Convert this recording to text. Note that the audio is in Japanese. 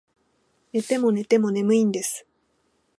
寝ても寝ても眠いんです